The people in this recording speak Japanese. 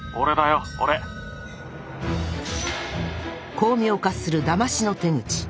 巧妙化するだましの手口。